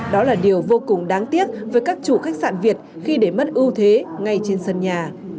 đó là điều vô cùng đáng tiếc với các chủ khách sạn việt khi để mất ưu thế ngay trên sân nhà